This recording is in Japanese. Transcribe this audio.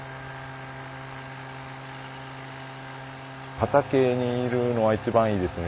畑にいるのは一番いいですね。